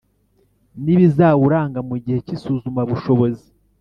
N ibizawuranga mu gihe cy isuzumabushobozi